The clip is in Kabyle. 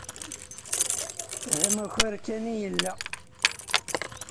D amakar kan ay yella.